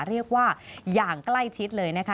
เรียกว่าอย่างใกล้ชิดเลยนะคะ